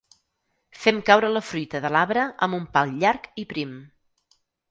Fem caure la fruita de l'arbre amb un pal llarg i prim.